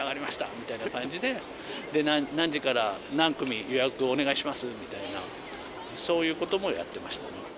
みたいな感じで、何時から何組、予約をお願いしますみたいな、そういうこともやってました。